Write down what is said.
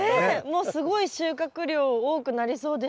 もうすごい収穫量多くなりそうですけどね。